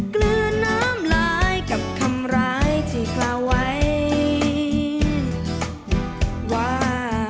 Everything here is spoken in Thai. เกลือน้ำลายกับคำร้ายที่กล่าวไว้ว่า